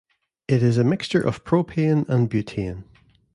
It is a mixture of propane and butane.